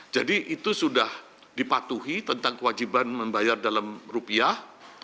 jadi itu sudah dipatuhi tentang kewajiban membayar dalam rupiah